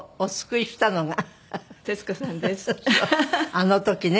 あの時ね